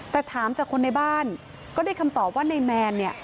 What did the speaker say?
แต่ถามจากคนในบ้านก็ได้คำตอบว่าในแมนเนี่ย